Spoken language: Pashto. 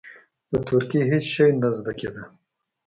د تورکي هېڅ شى نه زده کېده.